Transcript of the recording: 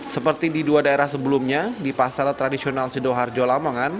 seperti di dua daerah sebelumnya di pasar tradisional sido harjo lamangan